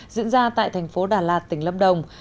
diễn ra tại thành phố đà lạt tỉnh lâm đồng